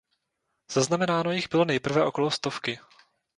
Zaznamenáno jich bylo nejprve okolo stovky.